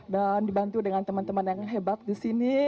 dan dibantu dengan teman teman yang hebat di sini